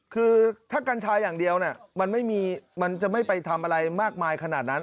คือถ้ากัญชาอย่างเดียวมันไม่มีมันจะไม่ไปทำอะไรมากมายขนาดนั้น